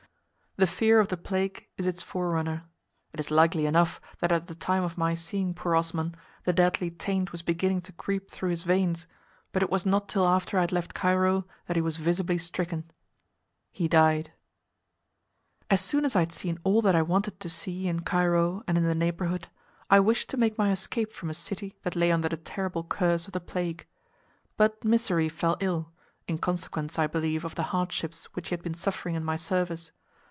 The fear of the plague is its forerunner. It is likely enough that at the time of my seeing poor Osman the deadly taint was beginning to creep through his veins, but it was not till after I had left Cairo that he was visibly stricken. He died. As soon as I had seen all that I wanted to see in Cairo and in the neighbourhood I wished to make my escape from a city that lay under the terrible curse of the plague, but Mysseri fell ill, in consequence, I believe, of the hardships which he had been suffering in my service.